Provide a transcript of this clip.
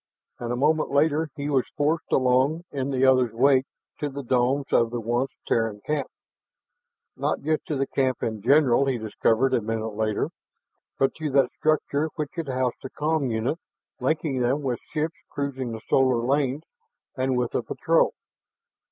And a moment later he was forced along in the other's wake to the domes of the once Terran camp. Not just to the camp in general, he discovered a minute later, but to that structure which had housed the com unit linking them with ships cruising the solar lanes and with the patrol.